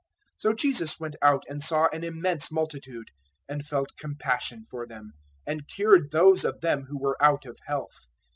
014:014 So Jesus went out and saw an immense multitude, and felt compassion for them, and cured those of them who were out of health.